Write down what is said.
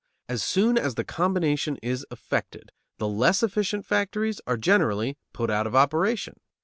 As soon as the combination is effected the less efficient factories are generally put out of operation.